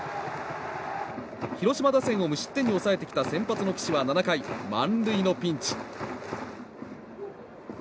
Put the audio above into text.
広島打線を無失点に抑えてきた先発の岸は７回、満塁のピンチ。